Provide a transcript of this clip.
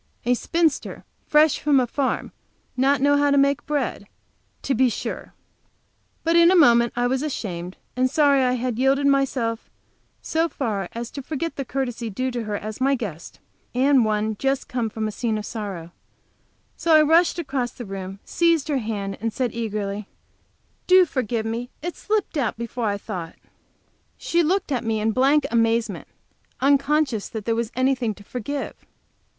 A spinster fresh from a farm not know how make bread, to be sure! But in a moment I was ashamed and sorry that I had yielded to myself so far as to forget the courtesy due to her as my guest, and one just home from a scene of sorrow, so I rushed across the room, seized her hand, and said, eagerly: "Do forgive me! It slipped out before I thought!" She looked at me in blank amazement, unconscious that there was anything to forgive.